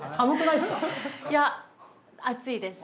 いや暑いです。